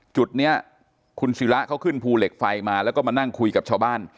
จุดนี้คุณศิระเขาขึ้นภูเหล็กไฟมาแล้วก็มานั่งคุยกับชาวบ้าน